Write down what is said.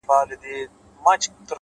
ددې ښكلا ـ